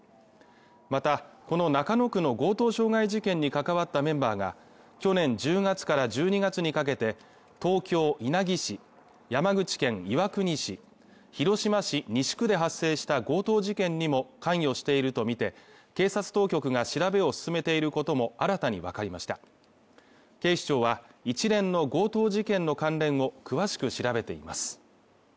またこの中野区の強盗傷害事件に関わったメンバーが去年１０月から１２月にかけて東京稲城市山口県岩国市広島市西区で発生した強盗事件にも関与しているとみて警察当局が調べを進めていることも新たに分かりました警視庁は一連の強盗事件の関連を詳しく調べています